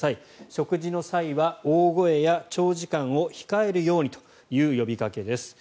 食事の際は、大声や長時間を控えるようにという呼びかけです。